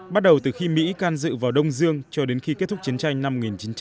bắt đầu từ khi mỹ can dự vào đông dương cho đến khi kết thúc chiến tranh năm một nghìn chín trăm bảy mươi